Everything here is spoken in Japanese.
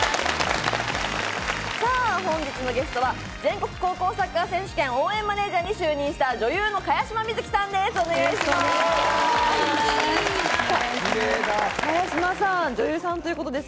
本日のゲストは全国高校サッカー選手権応援マネージャーに就任した女優の茅島みずきさんです。